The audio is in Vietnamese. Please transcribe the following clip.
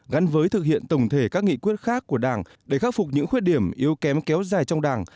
gắn với thực hiện tổng thể các nghị quyết khác của đảng để khắc phục những khuyết điểm yếu kém kéo dài trong đảng